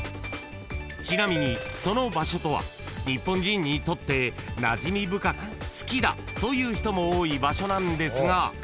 ［ちなみにその場所とは日本人にとってなじみ深く好きだという人も多い場所なんですが］